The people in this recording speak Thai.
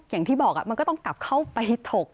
อย่างที่บอกมันก็ต้องกลับเข้าไปถก